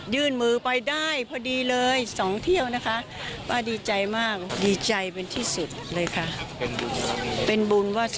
เมื่อเวลาประมาณ๑๘นาฬิกา